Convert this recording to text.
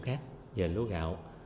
khác về lúa gạo